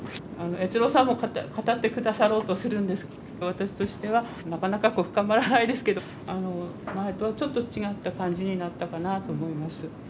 悦郎さんも語って下さろうとするんですけど私としてはなかなか深まらないですけど前とはちょっと違った感じになったかなと思います。